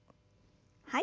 はい。